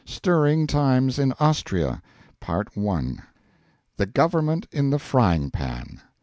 STIRRING TIMES IN AUSTRIA I. THE GOVERNMENT IN THE FRYING PAN.